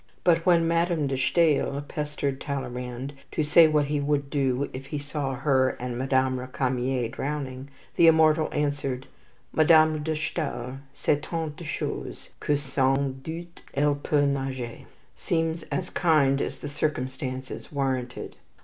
But when Madame de Stael pestered Talleyrand to say what he would do if he saw her and Madame Recamier drowning, the immortal answer, "Madame de Stael sait tant de choses, que sans doute elle peut nager," seems as kind as the circumstances warranted.